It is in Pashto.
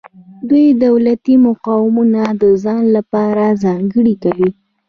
دوی دولتي مقامونه د ځان لپاره ځانګړي کوي.